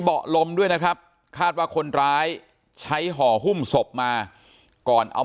เบาะลมด้วยนะครับคาดว่าคนร้ายใช้ห่อหุ้มศพมาก่อนเอา